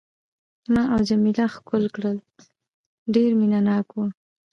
ما او جميله ښکل کړل، ډېر مینه ناک وو.